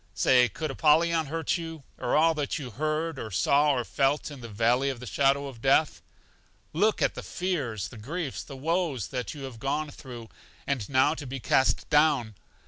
Say, could Apollyon hurt you, or all that you heard, or saw, or felt in the Valley of the Shadow of Death? Look at the fears, the griefs, the woes that you have gone through. And now to be cast down!